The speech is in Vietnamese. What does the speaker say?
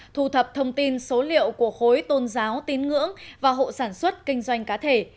thu thập thông tin số liệu của khối tôn giáo tín ngưỡng và hộ sản xuất kinh doanh cá thể